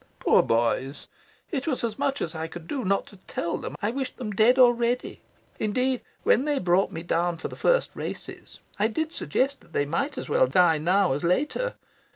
Poor boys! it was as much as I could do not to tell them I wished them dead already. Indeed, when they brought me down for the first races, I did suggest that they might as well die now as later.